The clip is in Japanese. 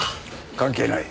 関係ない。